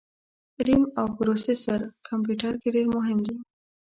رېم او پروسیسر کمپیوټر کي ډېر مهم دي